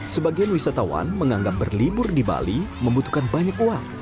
sebagian wisatawan menganggap berlibur di bali membutuhkan banyak uang